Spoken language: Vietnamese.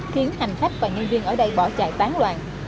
khiến hành khách và nhân viên ở đây bỏ chạy tán loạn